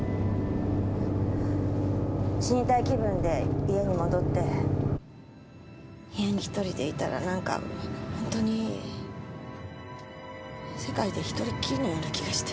死にたい気分で家に戻って部屋に一人でいたら何かホントに世界で一人っきりのような気がして。